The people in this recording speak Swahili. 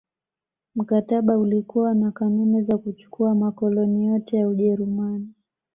Mkataba ulikuwa na kanuni za kuchukua makoloni yote ya Ujerumani